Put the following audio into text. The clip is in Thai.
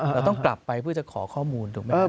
เราต้องกลับไปเพื่อจะขอข้อมูลถูกไหมครับ